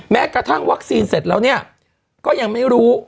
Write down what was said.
แม้กระทั่งวัคซีนเสร็จแล้วเนี่ยก็ยังไม่รู้